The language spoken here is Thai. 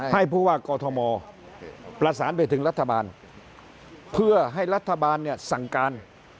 ให้พวกกฏมอล์ประสานไปถึงรัฐบาลเพื่อให้รัฐบาลสั่งการ